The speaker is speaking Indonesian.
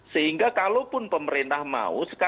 sehingga kalaupun pemerintah mau